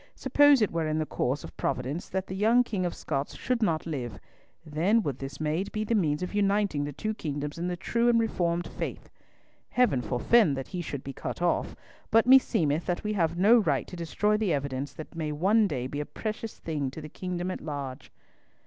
"Suppose it were in the course of providence that the young King of Scots should not live, then would this maid be the means of uniting the two kingdoms in the true and Reformed faith! Heaven forefend that he should be cut off, but meseemeth that we have no right to destroy the evidence that may one day be a precious thing to the kingdom at large."